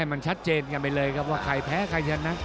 มันชัดเจนกันไปเลยครับว่าใครแพ้ใครชนะ